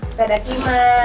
kita daki mas